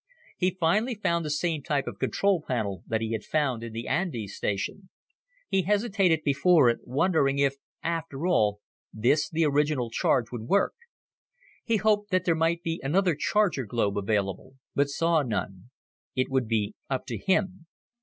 He finally found the same type of control panel that he had found in the Andes station. He hesitated before it, wondering if, after all, this, the original charge, would work. He hoped that there might be another charger globe available, but saw none. It would be up to him.